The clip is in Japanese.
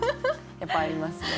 やっぱありますね。